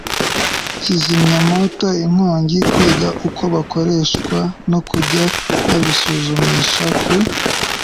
kuzimya inkongi, kwiga uko bikoreshwa no kujya babisuzumisha ku